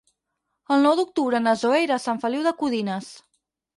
El nou d'octubre na Zoè irà a Sant Feliu de Codines.